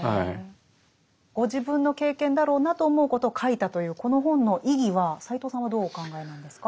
ご自分の経験だろうなと思うことを書いたというこの本の意義は斎藤さんはどうお考えなんですか？